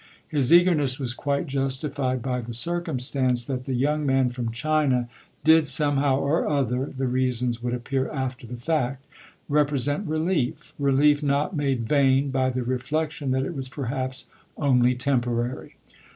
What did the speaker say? His eagerness was quite justified by the circumstance that the young man from China did somehow or other the reasons would appear after the fact represent relief, relief not made vain by the reflection that it was perhaps only temporary.